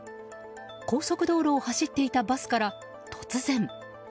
高速道路を走っていたバスから突然。